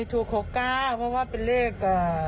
ถูก๖๙เพราะว่าเป็นเลข